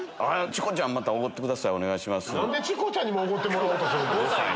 何でチコちゃんにもおごってもらおうとすんねん！